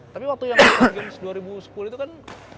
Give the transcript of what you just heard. tapi waktu yang game dua ribu sepuluh itu kan